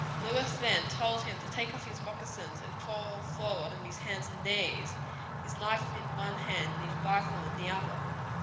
Lewis then told him to take off his moccasins, and crawl forward on his hands and knees, his knife in one hand and his rifle in the other.